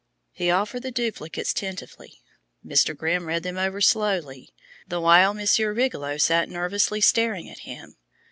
He offered the duplicates tentatively. Mr. Grimm read them over slowly, the while Monsieur Rigolot sat nervously staring at him.